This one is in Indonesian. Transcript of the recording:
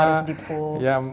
dapatan harus dipul